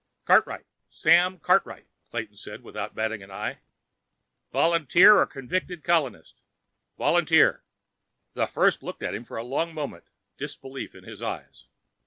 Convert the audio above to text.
"Cartwright. Sam Cartwright," Clayton said without batting an eye. "Volunteer or convicted colonist?" "Volunteer." The First looked at him for a long moment, disbelief in his eyes.